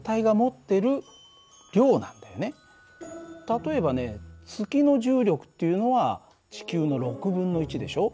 例えばね月の重力っていうのは地球の６分の１でしょ。